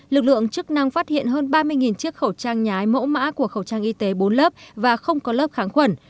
lực lượng chức năng phát hiện hơn ba mươi chiếc khẩu trang nhái mẫu mã của khẩu trang y tế bốn lớp và không có lớp kháng khuẩn